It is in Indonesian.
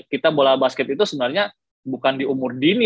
kita bola basket itu sebenarnya bukan di umur dini